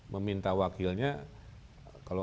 meminta wakilnya kalau